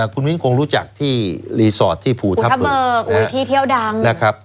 คุณมิ้นท์คงรู้จักรีซอร์ตที่ภูทับเบิก